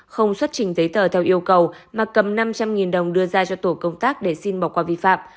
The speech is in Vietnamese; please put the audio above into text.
không xuất trình giấy tờ theo yêu cầu mà cầm năm trăm linh đồng đưa ra cho tổ công tác để xin bỏ qua vi phạm